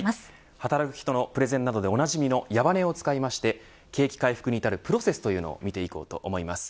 働く人のプレゼントなどでおなじみの矢羽根を使いまして景気回復に至るプロセスを見ていこうと思います。